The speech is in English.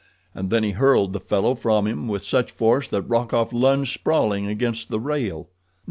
And then he hurled the fellow from him with such force that Rokoff lunged sprawling against the rail.